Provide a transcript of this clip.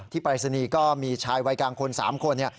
ปรายศนีย์ก็มีชายวัยกลางคน๓คน